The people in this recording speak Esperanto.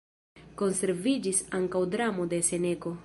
Konserviĝis ankaŭ dramo de Seneko.